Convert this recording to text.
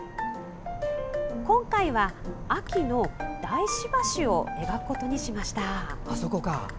今回は、秋の大師橋を描くことにしました。